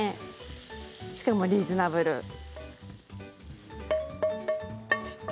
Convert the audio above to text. しかもリーズナブル。